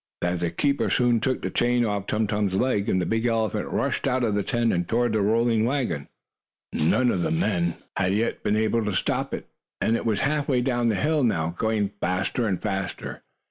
The keeper soon took the chain off Tum Tum's leg, and the big elephant rushed out of the tent, and toward the rolling wagon. None of the men had yet been able to stop it, and it was half way down the hill now, going faster and faster.